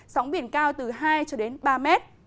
sóng biển cao từ hai ba mét